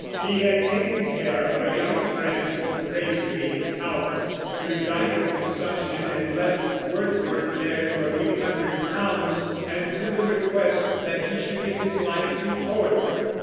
He had taken care of a young friend, Raisley Calvert, who died of consumption and left Wordsworth heir to a few hundred pounds, and to the request that he should give his life to poetry.